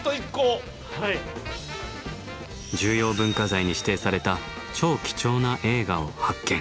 重要文化財に指定された超貴重な映画を発見。